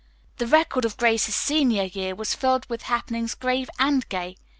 The record of Grace's senior year was filled with happenings grave and gay.